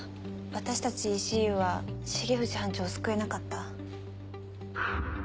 私たちＥＣＵは重藤班長を救えなかった。